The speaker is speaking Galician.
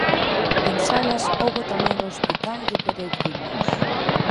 En Salas houbo tamén hospital de peregrinos.